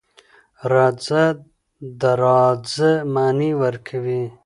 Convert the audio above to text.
رڅه .د راځه معنی ورکوی